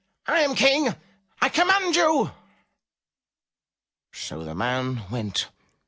'*I am King — I command you!" So the man went.